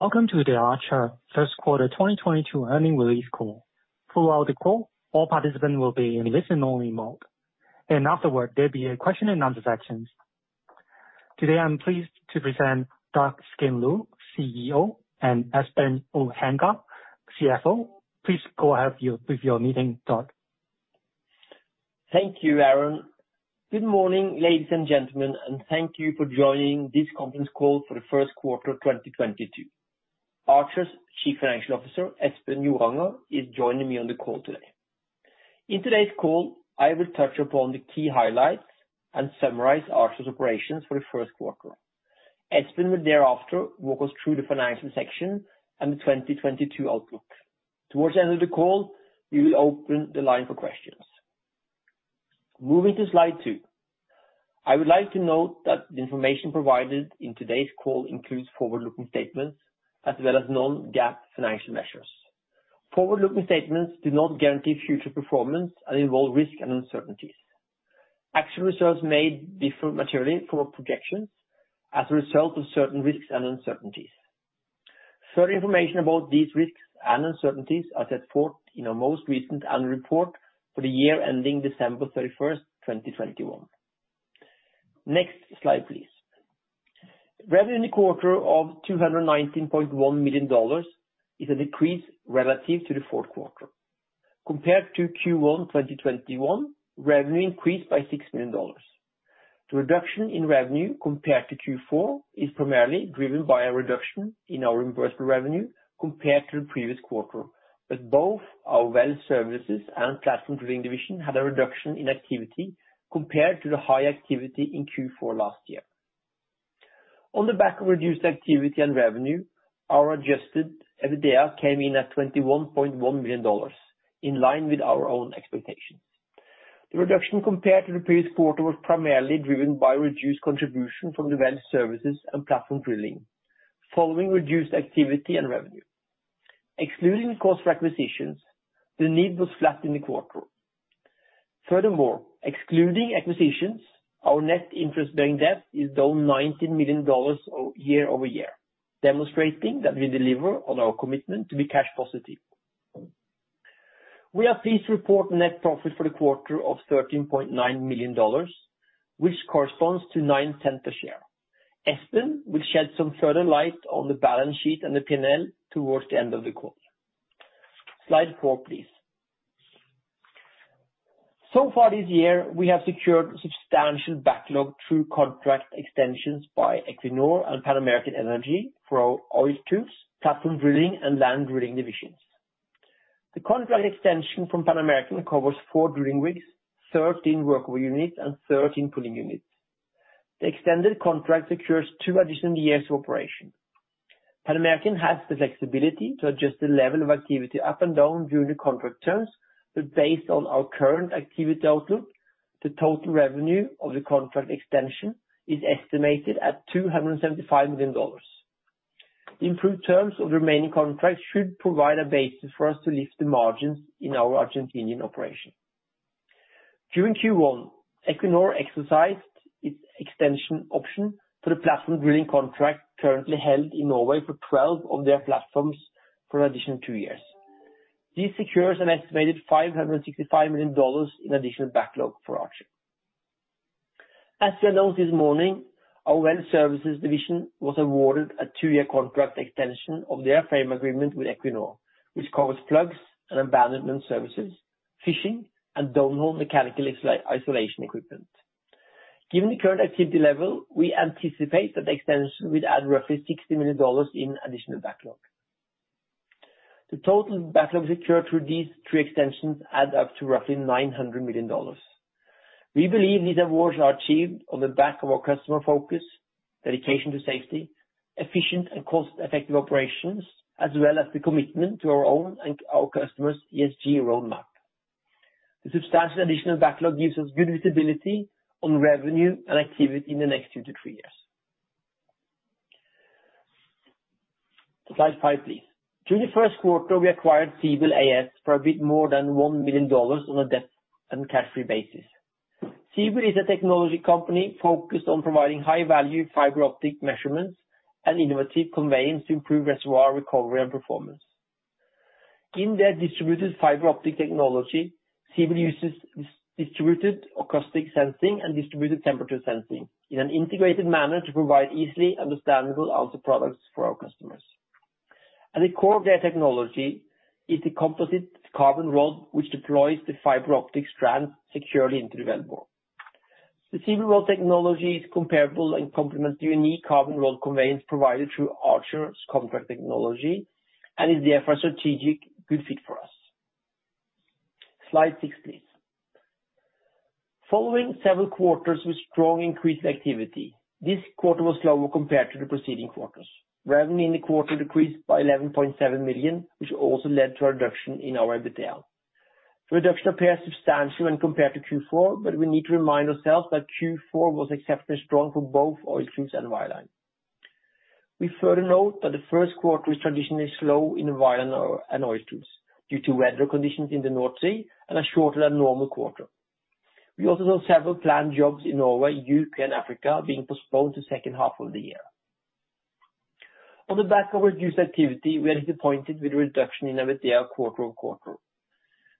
...Welco`me to the Archer Q1 2022 earnings release call. Throughout the call, all participants will be in listen-only mode, and afterward, there'll be a question and answer section. Today, I'm pleased to present Dag Skindlo, CEO, and Espen Joranger, CFO. Please go ahead with your meeting, Dag. Thank you, Aaron. Good morning, ladies and gentlemen, and thank you for joining this conference call for the Q1 2022. Archer's Chief Financial Officer, Espen Joranger, is joining me on the call today. In today's call, I will touch upon the key highlights and summarize Archer's operations for the Q1. Espen will thereafter walk us through the financial section and the 2022 outlook. Towards the end of the call, we will open the line for questions. Moving to slide 2. I would like to note that the information provided in today's call includes forward-looking statements as well as non-GAAP financial measures. Forward-looking statements do not guarantee future performance and involve risk and uncertainties. Actual results may differ materially from our projections as a result of certain risks and uncertainties. Further information about these risks and uncertainties are set forth in our most recent annual report for the year ending December 31, 2021. Next slide, please. Revenue in the quarter of $219.1 million is a decrease relative to the Q4. Compared to Q1 2021, revenue increased by $6 million. The reduction in revenue compared to Q4 is primarily driven by a reduction in our reimbursable revenue compared to the previous quarter, but both our well services and platform drilling division had a reduction in activity compared to the high activity in Q4 last year. On the back of reduced activity and revenue, our adjusted EBITDA came in at $21.1 million, in line with our own expectations. The reduction compared to the previous quarter was primarily driven by reduced contribution from the well services and platform drilling, following reduced activity and revenue. Excluding the cost requisitions, the need was flat in the quarter. Furthermore, excluding acquisitions, our net interest-bearing debt is down $19 million year-over-year, demonstrating that we deliver on our commitment to be cash positive. We are pleased to report net profit for the quarter of $13.9 million, which corresponds to $0.09 a share. Espen will shed some further light on the balance sheet and the P&L towards the end of the call. Slide four, please. So far this year, we have secured substantial backlog through contract extensions by Equinor and Pan American Energy for our oil tools, platform drilling, and land drilling divisions. The contract extension from Pan American covers 4 drilling rigs, 13 workover units, and 13 pulling units. The extended contract secures 2 additional years of operation. Pan American has the flexibility to adjust the level of activity up and down during the contract terms, but based on our current activity outlook, the total revenue of the contract extension is estimated at $275 million. The improved terms of the remaining contracts should provide a basis for us to lift the margins in our Argentinian operation. During Q1, Equinor exercised its extension option for the platform drilling contract currently held in Norway for 12 of their platforms for an additional 2 years. This secures an estimated $565 million in additional backlog for Archer. As we announced this morning, our well services division was awarded a two-year contract extension of their frame agreement with Equinor, which covers plugs and abandonment services, fishing, and downhole mechanical isolation equipment. Given the current activity level, we anticipate that the extension will add roughly $60 million in additional backlog. The total backlog secured through these three extensions add up to roughly $900 million. We believe these awards are achieved on the back of our customer focus, dedication to safety, efficient and cost-effective operations, as well as the commitment to our own and our customers' ESG roadmap. The substantial additional backlog gives us good visibility on revenue and activity in the next two to three years. Slide five, please. During the Q1, we acquired Ziebel AS for a bit more than $1 million on a debt and cash-free basis. Ziebel is a technology company focused on providing high-value fiber optic measurements and innovative conveyance to improve reservoir recovery and performance. In their distributed fiber optic technology, Ziebel uses distributed acoustic sensing and distributed temperature sensing in an integrated manner to provide easily understandable output products for our customers. At the core of their technology is a composite carbon rod, which deploys the fiber optic strand securely into the wellbore. The Z-Rod technology is comparable and complements the unique carbon rod conveyance provided through Archer's ComTrac technology and is therefore a strategic good fit for us. Slide six, please. Following several quarters with strong increased activity, this quarter was slower compared to the preceding quarters. Revenue in the quarter decreased by $11.7 million, which also led to a reduction in our EBITDA. The reduction appears substantial when compared to Q4, but we need to remind ourselves that Q4 was exceptionally strong for both oil fields and wireline. We further note that the Q1 is traditionally slow in wireline and oil tools due to weather conditions in the North Sea and a shorter than normal quarter. We also saw several planned jobs in Norway, UK, and Africa being postponed to second half of the year. On the back of reduced activity, we are disappointed with the reduction in EBITDA quarter-over-quarter.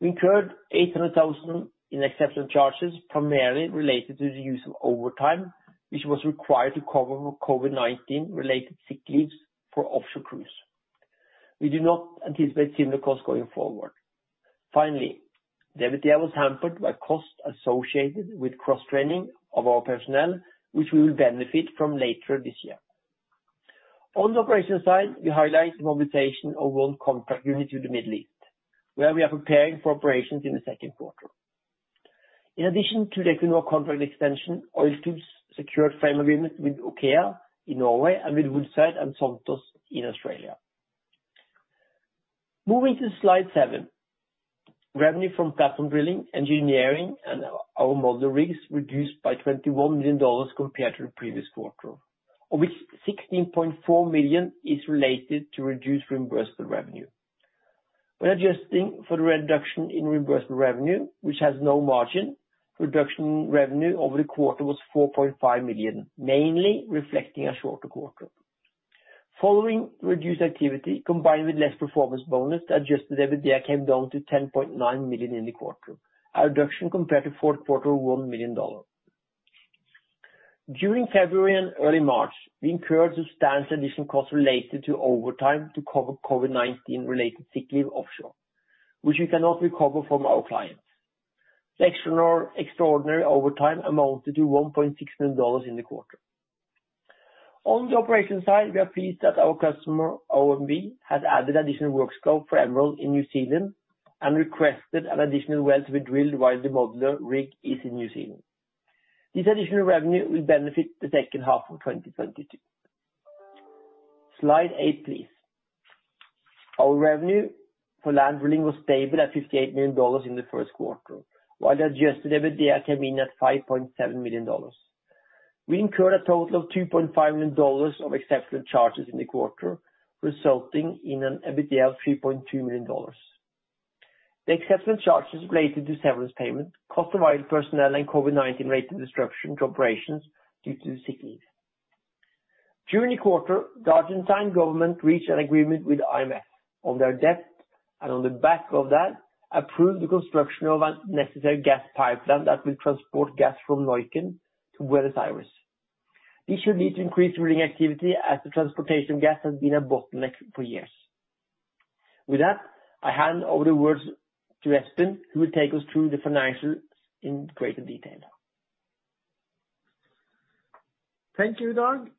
We incurred $800,000 in exceptional charges, primarily related to the use of overtime, which was required to cover COVID-19 related sick leaves for offshore crews. We do not anticipate similar costs going forward. Finally, the EBITDA was hampered by costs associated with cross-training of our personnel, which we will benefit from later this year. On the operation side, we highlight the mobilization of our ComTrac unit to the Middle East, where we are preparing for operations in the Q2. In addition to the Equinor contract extension, Oiltools secured frame agreement with OKEA in Norway and with Woodside and Santos in Australia. Moving to Slide 7. Revenue from platform drilling, engineering, and our modular rigs reduced by $21 million compared to the previous quarter, of which $16.4 million is related to reduced reimbursable revenue. When adjusting for the reduction in reimbursable revenue, which has no margin, reduction in revenue over the quarter was $4.5 million, mainly reflecting a shorter quarter. Following reduced activity, combined with less performance bonus, the adjusted EBITDA came down to $10.9 million in the quarter, a reduction compared to Q4 of $1 million. During February and early March, we incurred the standard additional costs related to overtime to cover COVID-19-related sick leave offshore, which we cannot recover from our clients. The extraordinary, extraordinary overtime amounted to $1.6 million in the quarter. On the operation side, we are pleased that our customer, OMV, has added additional work scope for Emerald in New Zealand, and requested an additional well to be drilled while the modular rig is in New Zealand. This additional revenue will benefit the second half of 2022. Slide 8, please. Our revenue for land drilling was stable at $58 million in the Q1, while the adjusted EBITDA came in at $5.7 million. We incurred a total of $2.5 million of exceptional charges in the quarter, resulting in an EBITDA of $3.2 million. The exceptional charges related to severance payment, cost of idle personnel, and COVID-19-related disruptions to operations due to the sick leave. During the quarter, the Argentine government reached an agreement with IMF on their debt, and on the back of that, approved the construction of a necessary gas pipeline that will transport gas from Neuquén to Buenos Aires. This should lead to increased drilling activity as the transportation of gas has been a bottleneck for years. With that, I hand over the words to Espen, who will take us through the financials in greater detail. Thank you, Dag.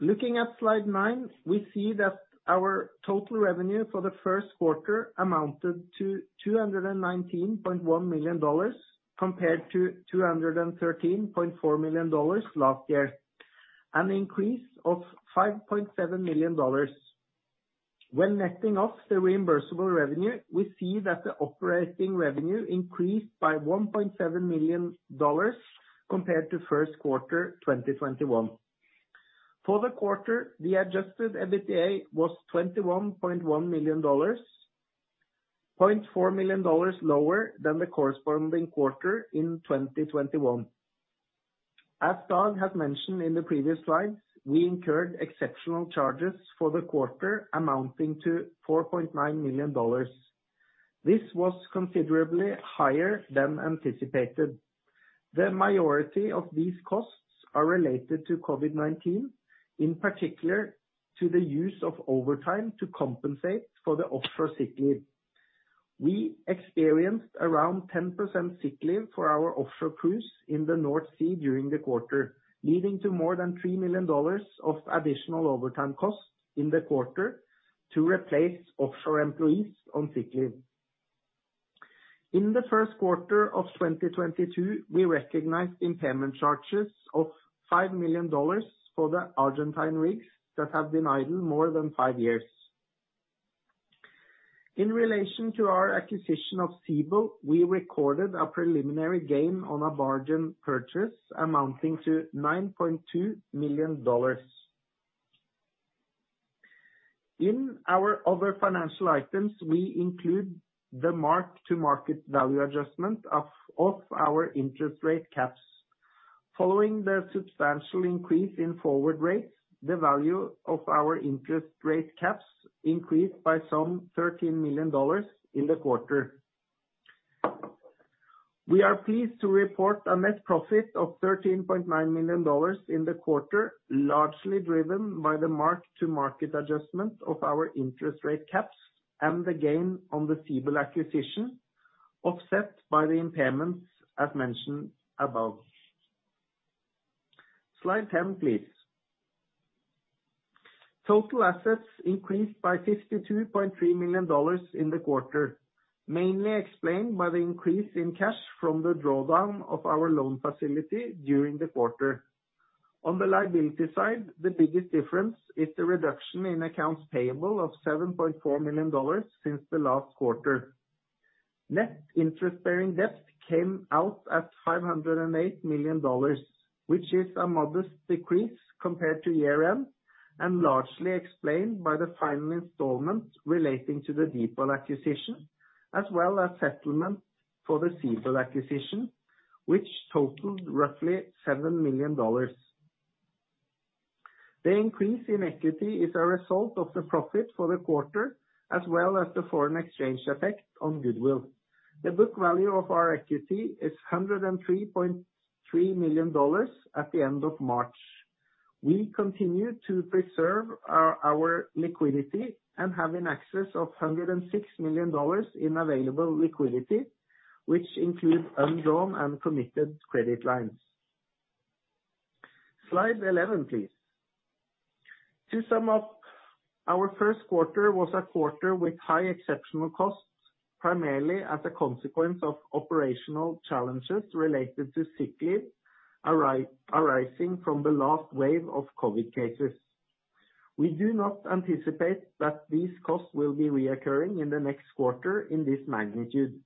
Looking at slide 9, we see that our total revenue for the Q1 amounted to $219.1 million, compared to $213.4 million last year, an increase of $5.7 million. When netting off the reimbursable revenue, we see that the operating revenue increased by $1.7 million compared to Q1 2021. For the quarter, the adjusted EBITDA was $21.1 million, $0.4 million lower than the corresponding quarter in 2021. As Dag has mentioned in the previous slides, we incurred exceptional charges for the quarter amounting to $4.9 million. This was considerably higher than anticipated. The majority of these costs are related to COVID-19, in particular to the use of overtime to compensate for the offshore sick leave. We experienced around 10% sick leave for our offshore crews in the North Sea during the quarter, leading to more than $3 million of additional overtime costs in the quarter to replace offshore employees on sick leave. In the Q1 of 2022, we recognized impairment charges of $5 million for the Argentine rigs that have been idle more than five years. In relation to our acquisition of Ziebel, we recorded a preliminary gain on a bargain purchase amounting to $9.2 million. In our other financial items, we include the mark-to-market value adjustment of our interest rate caps. Following the substantial increase in forward rates, the value of our interest rate caps increased by some $13 million in the quarter. We are pleased to report a net profit of $13.9 million in the quarter, largely driven by the mark-to-market adjustment of our interest rate caps and the gain on the Ziebel acquisition, offset by the impairments as mentioned above. Slide 10, please. Total assets increased by $52.3 million in the quarter, mainly explained by the increase in cash from the drawdown of our loan facility during the quarter. On the liability side, the biggest difference is the reduction in accounts payable of $7.4 million since the last quarter. Net interest-bearing debt came out at $508 million, which is a modest decrease compared to year-end... and largely explained by the final installment relating to the DeepWell acquisition, as well as settlement for the Ziebel acquisition, which totaled roughly $7 million. The increase in equity is a result of the profit for the quarter, as well as the foreign exchange effect on goodwill. The book value of our equity is $103.3 million at the end of March. We continue to preserve our liquidity and have access to $106 million in available liquidity, which includes undrawn and committed credit lines. Slide 11, please. To sum up, our Q1 was a quarter with high exceptional costs, primarily as a consequence of operational challenges related to sick leave arising from the last wave of COVID cases. We do not anticipate that these costs will be recurring in the next quarter in this magnitude.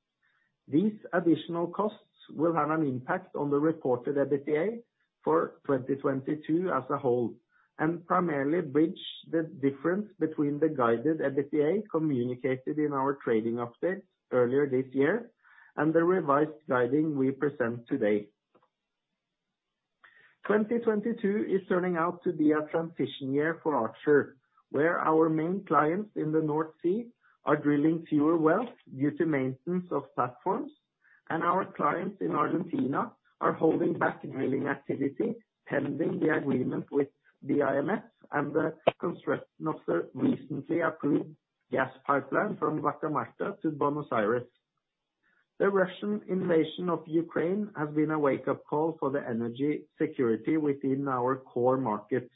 These additional costs will have an impact on the reported EBITDA for 2022 as a whole, and primarily bridge the difference between the guided EBITDA communicated in our trading update earlier this year, and the revised guiding we present today. 2022 is turning out to be a transition year for Archer, where our main clients in the North Sea are drilling fewer wells due to maintenance of platforms, and our clients in Argentina are holding back drilling activity, pending the agreement with the IMF and the construction of the recently approved gas pipeline from Vaca Muerta to Buenos Aires. The Russian invasion of Ukraine has been a wake-up call for the energy security within our core markets.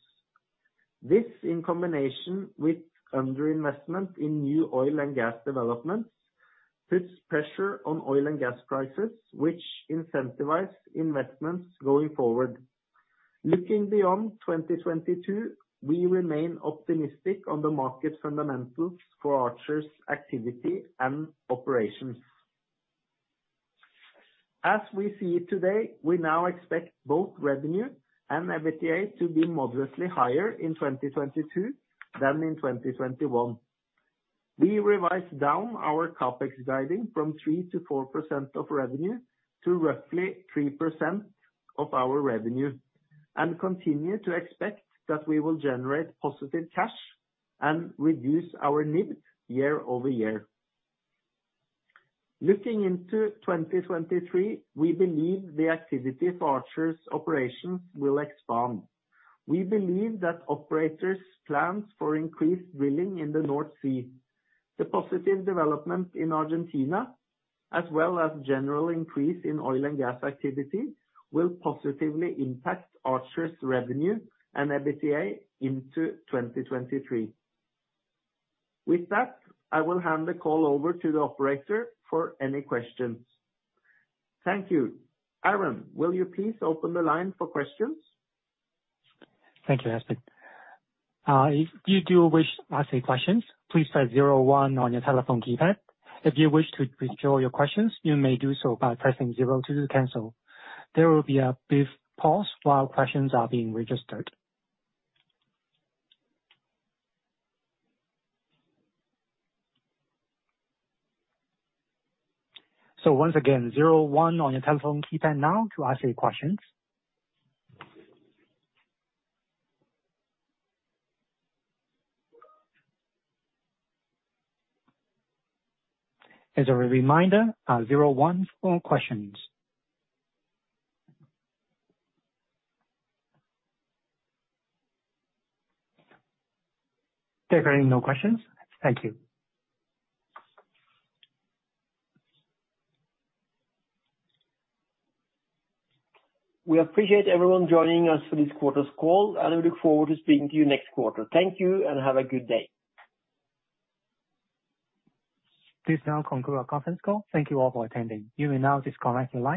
This, in combination with underinvestment in new oil and gas developments, puts pressure on oil and gas prices, which incentivize investments going forward. Looking beyond 2022, we remain optimistic on the market fundamentals for Archer's activity and operations. As we see it today, we now expect both revenue and EBITDA to be modestly higher in 2022 than in 2021. We revised down our CapEx guiding from 3%-4% of revenue, to roughly 3% of our revenue, and continue to expect that we will generate positive cash and reduce our NIB year-over-year. Looking into 2023, we believe the activity for Archer's operations will expand. We believe that operators' plans for increased drilling in the North Sea, the positive development in Argentina, as well as general increase in oil and gas activity, will positively impact Archer's revenue and EBITDA into 2023. With that, I will hand the call over to the operator for any questions. Thank you. Aaron, will you please open the line for questions? Thank you, Espen. If you do wish to ask any questions, please press zero one on your telephone keypad. If you wish to withdraw your questions, you may do so by pressing zero two to cancel. There will be a brief pause while questions are being registered. So once again, zero one on your telephone keypad now to ask any questions. As a reminder, zero one for questions. There are currently no questions. Thank you. We appreciate everyone joining us for this quarter's call, and we look forward to speaking to you next quarter. Thank you, and have a good day. This now concludes our conference call. Thank you all for attending. You may now disconnect the line.